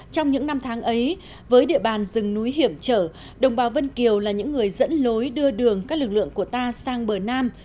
trong những năm tháng ấy với địa bàn rừng núi hiểm trở đồng bào vân kiều là những người dẫn lối đưa đường các lực lượng của ta sang bờ nam